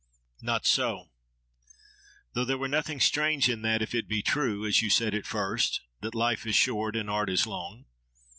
—Not so! Though there were nothing strange in that, if it be true, as you said at first, that Life is short and art is long.